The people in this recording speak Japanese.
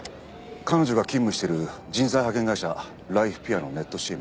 彼女が勤務してる人材派遣会社ライフピアのネット